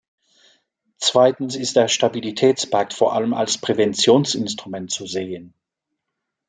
Zweitens ist der Stabilitätspakt vor allem als Präventionsinstrument zu sehen.